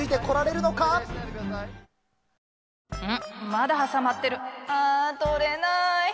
まだはさまってるあ取れない！